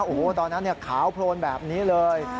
โอ้โหตอนนั้นขาวโพลนแบบนี้เลย